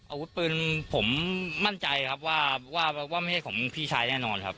อาวุธปืนผมมั่นใจครับว่าไม่ใช่ของพี่ชายแน่นอนครับ